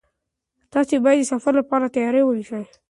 تاسي باید د سفر لپاره تیاری ونیسئ.